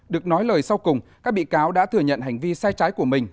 được nói lời sau cùng các bị cáo đã thừa nhận hành vi sai trái của mình